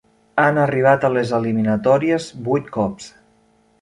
Han arribat a les eliminatòries vuit cops.